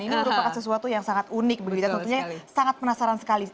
ini merupakan sesuatu yang sangat unik begitu tentunya sangat penasaran sekali